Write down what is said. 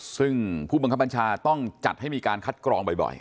ซึ่งผู้บังคับบัญชาต้องจัดให้มีการคัดกรองบ่อย